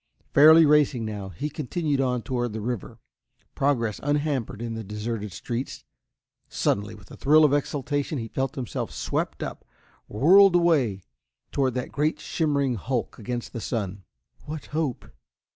Fairly racing now, he continued on toward the river, progress unhampered in the deserted streets. Suddenly, with a thrill of exultation, he felt himself swept up, whirled away toward that great shimmering hulk against the sun. "What hope?"